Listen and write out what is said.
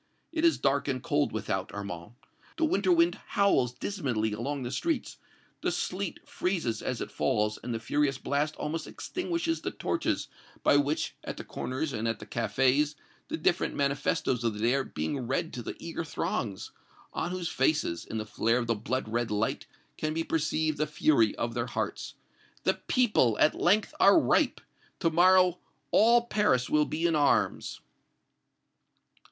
It is dark and cold without, Armand; the winter wind howls dismally along the streets, the sleet freezes as it falls and the furious blast almost extinguishes the torches by which, at the corners and at the cafés, the different manifestoes of the day are being read to the eager throngs, on whose faces, in the flare of the blood red light, can be perceived the fury of their hearts. The people, at length, are ripe! To morrow all Paris will be in arms!"